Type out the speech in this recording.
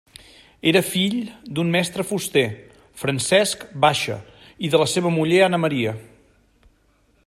Era fill d'un mestre fuster, Francesc Baixa, i de la seva muller Anna Maria.